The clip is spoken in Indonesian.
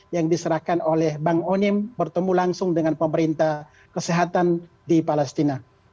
yang diserahkan oleh bang onim bertemu langsung dengan pemerintah kesehatan di palestina